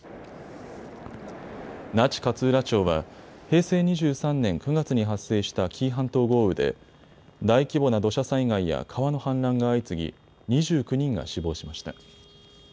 那智勝浦町は平成２３年９月に発生した紀伊半島豪雨で大規模な土砂災害や川の氾濫が相次ぎ２９人が死亡しました。